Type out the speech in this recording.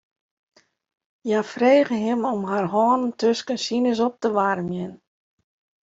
Hja frege him om har hannen tusken sines op te waarmjen.